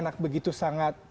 menak begitu sangat